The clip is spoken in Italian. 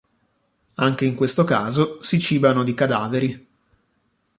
Anche in questo caso, si cibano di cadaveri.